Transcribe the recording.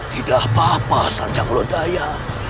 tidak apa apa sancaglodaya